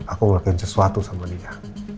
aku ngeliatin sesuatu sama dia